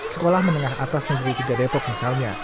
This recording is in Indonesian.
sekolah menengah atas negeri tiga depok misalnya